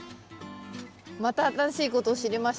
また新しいことを知りました。